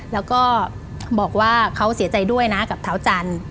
แล้วก็บอกว่าเขาเสียใจด้วยนะกับเท้าจันทร์